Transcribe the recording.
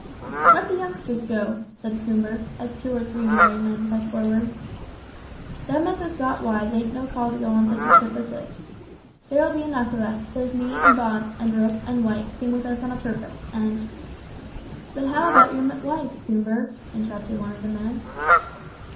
"Let the youngsters go," said Coomber, as two or three married men pressed forward; "them as has got wives ain't no call to go on such a trip as this. There'll be enough of us; there's me and Bob, and Rook and White came with us a purpose, and " "But how about your wife, Coomber?" interrupted one of the men.